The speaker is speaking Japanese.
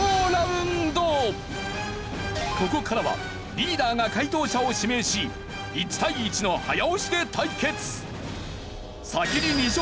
ここからはリーダーが解答者を指名し１対１の早押しで対決。